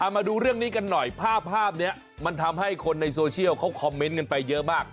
มาดูเรื่องนี้กันหน่อยภาพนี้มันทำให้คนในโซเชียลเขาคอมเมนต์กันไปเยอะมาก